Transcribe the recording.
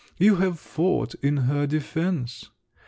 You have fought in her defence.